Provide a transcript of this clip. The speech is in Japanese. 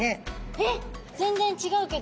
えっ全然違うけど。